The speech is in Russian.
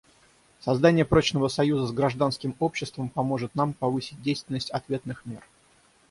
Создание прочного союза с гражданским обществом поможет нам повысить действенность ответных мер.